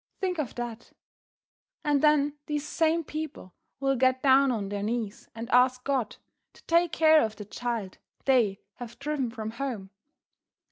Think of that! And then these same people will get down on their knees and ask God to take care of the child they have driven from home.